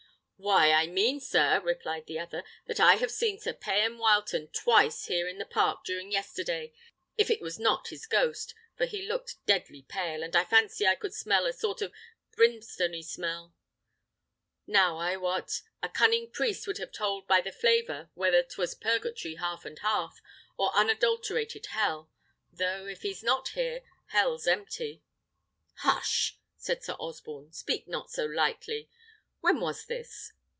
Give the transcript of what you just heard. "Why, I mean, sir," replied the other, "that I have seen Sir Payan Wileton twice here in the park during yesterday, if it was not his ghost; for he looked deadly pale, and I fancied I could smell a sort of brimstony smell. Now, I wot, a cunning priest would have told by the flavour whether 'twas purgatory half and half, or unadulterated hell: though, if he's not there, hell's empty." "Hush!" said Sir Osborne; "speak not so lightly. When was this?"